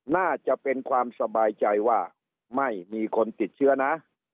น่าจะเป็นความสบายใจว่าไม่มีคนติดเชื้อนะ